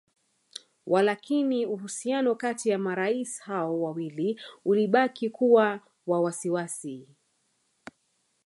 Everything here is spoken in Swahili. Walakini uhusiano kati ya marais hao wawili ulibaki kuwa wa wasiwasi